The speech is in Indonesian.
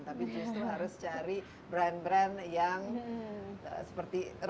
tapi justru harus cari brand brand yang seperti